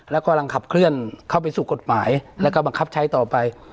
และกำลังขับเคลื่อนเข้าไปสู่กฎหมายแล้วก็บังคับใช้ต่อไป